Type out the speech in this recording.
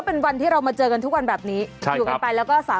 สวัสดีครับคุณชิสา